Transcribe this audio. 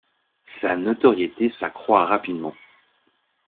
Sa notoriété s’accroît rapidement.